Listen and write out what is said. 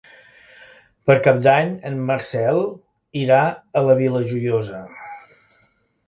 Per Cap d'Any en Marcel irà a la Vila Joiosa.